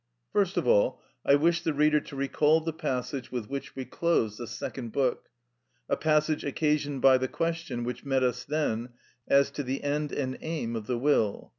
First of all, I wish the reader to recall the passage with which we closed the Second Book,—a passage occasioned by the question, which met us then, as to the end and aim of the will.